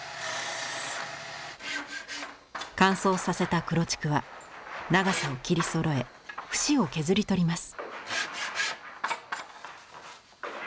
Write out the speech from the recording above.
乾燥させた黒竹は長さを切りそろえ節を削り取ります。